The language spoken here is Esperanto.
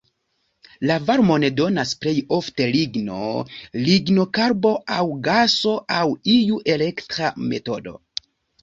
La varmon donas plej ofte ligno, lignokarbo aŭ gaso aŭ iu elektra metodo.